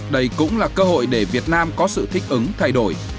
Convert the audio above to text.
đây cũng là cơ hội để việt nam có sự thích ứng thay đổi